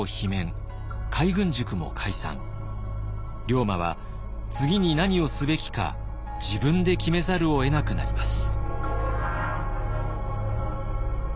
龍馬は次に何をすべきか自分で決めざるをえなくなります。